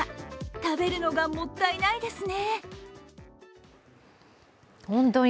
食べるのがもったいないですね。